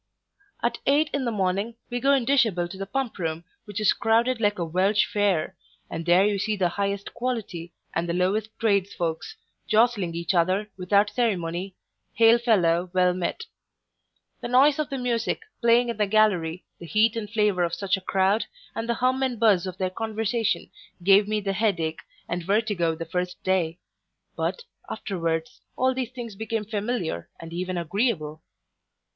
At eight in the morning, we go in dishabille to the Pump room which is crowded like a Welsh fair; and there you see the highest quality, and the lowest trades folks, jostling each other, without ceremony, hail fellow well met. The noise of the music playing in the gallery, the heat and flavour of such a crowd, and the hum and buz of their conversation, gave me the head ach and vertigo the first day; but, afterwards, all these things became familiar, and even agreeable.